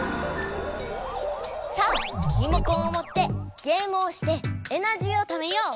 さあリモコンをもってゲームをしてエナジーをためよう！